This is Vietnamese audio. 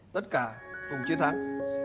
tất cả cùng chiến thắng